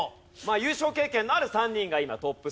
優勝経験のある３人が今トップ３。